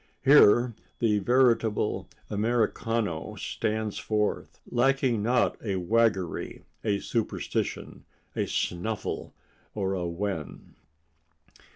Here the veritable Americano stands forth, lacking not a waggery, a superstition, a snuffle or a wen.